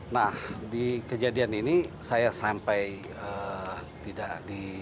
nah di kejadian ini saya sampai tidak di